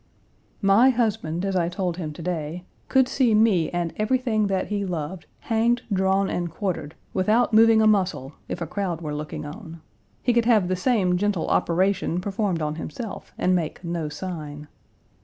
My husband, as I told him to day, could see me and everything that he loved hanged, drawn, and quartered without moving a muscle, if a crowd were looking on; he could have the same gentle operation performed on himself and make no sign.